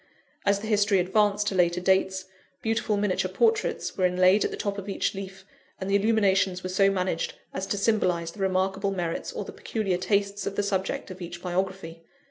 As the history advanced to later dates, beautiful miniature portraits were inlaid at the top of each leaf; and the illuminations were so managed as to symbolize the remarkable merits or the peculiar tastes of the subject of each biography.